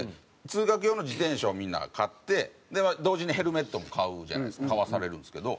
通学用の自転車をみんな買って同時にヘルメットも買うじゃないですか買わされるんですけど。